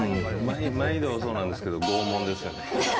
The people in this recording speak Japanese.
毎度そうなんですけど、拷問ですよね。